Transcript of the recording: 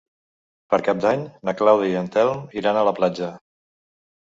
Per Cap d'Any na Clàudia i en Telm iran a la platja.